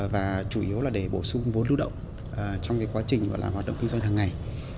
và chủ yếu là để bổ sung vốn lưu động trong quá trình hoạt động kinh doanh hàng ngày